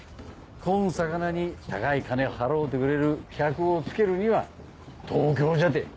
こん魚に高い金払うてくれる客をつけるには東京じゃて。